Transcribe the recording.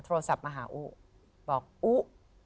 โทรศัพท์มาหาอุบอกอุ๊